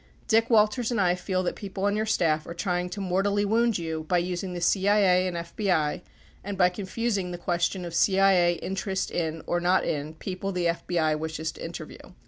Dick Walters and I feel that people on your staff are try ing to mortally wound you by using the CIA and FBI and by confusing the question of CIA interest in, or not in, people the FBI wishes to interview.